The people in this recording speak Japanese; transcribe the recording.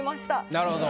なるほど。